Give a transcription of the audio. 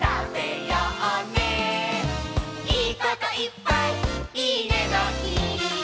「いいこといっぱいいいねの日」